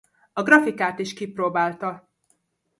A grafikát is kipróbálta.